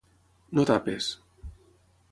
No tapes.